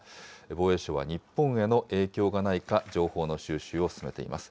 防衛省は日本への影響がないか、情報を収集を進めています。